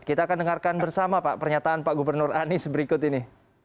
kita akan dengarkan bersama pak pernyataan pak gubernur anies berikut ini